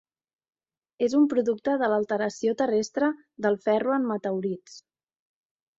És un producte de l'alteració terrestre del ferro en meteorits.